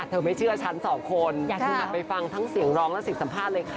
ถ้าเธอไม่เชื่อฉันสองคนอยากให้มาไปฟังทั้งเสียงร้องและเสียงสัมภาษณ์เลยค่ะ